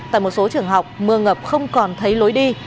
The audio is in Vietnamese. tại một số trường học mưa ngập không còn thấy lối đi